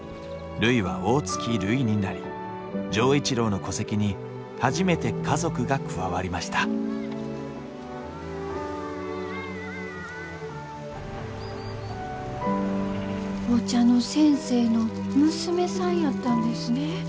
るいは大月るいになり錠一郎の戸籍に初めて家族が加わりましたお茶の先生の娘さんやったんですね。